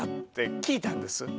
って聞いたんです